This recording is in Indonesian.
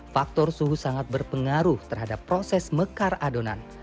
faktor suhu sangat berpengaruh terhadap proses mekar adonan